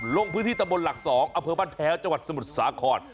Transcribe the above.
ลงพื้นที่ตะบลหลัก๒อเผื้อพันธุ์แท้จังหวัดสมุทรสาขอร์ด